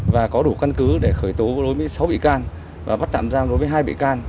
và có đủ căn cứ để khởi tố đối với sáu bị can và bắt tạm giam đối với hai bị can